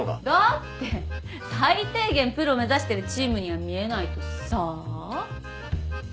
だって最低限プロ目指してるチームには見えないとさあ。